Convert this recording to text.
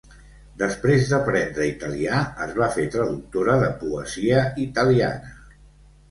Després d'aprendre italià, es va fer traductora de poesia italiana.